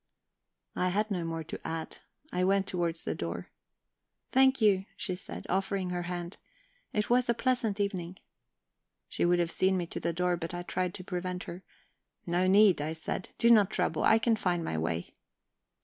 I had no more to add. I went towards the door. "Thank you," she said, offering her hand. "It was a pleasant evening." She would have seen me to the door, but I tried to prevent her. "No need," I said; "do not trouble, I can find my way..."